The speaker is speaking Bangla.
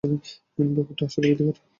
ব্যাপারটা আসলেই ভীতিকর।